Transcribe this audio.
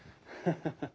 ハハハ。